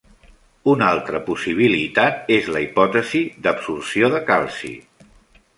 Una altra possibilitat és la hipòtesis d'absorció de calci.